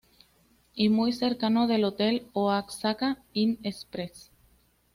Y muy cercano del Hotel Oaxaca Inn Express.